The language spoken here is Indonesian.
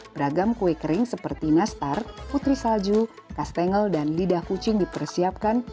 beragam kue kering seperti nastar putri salju kastengel dan lidah kucing dipersiapkan